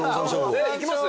いきます？